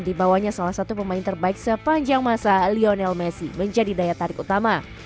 dibawanya salah satu pemain terbaik sepanjang masa lionel messi menjadi daya tarik utama